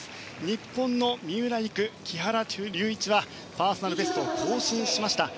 日本の三浦璃来、木原龍一はパーソナルベスト更新しました。